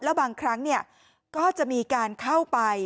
แล้วบางครั้งก็จะมีการเข้าไป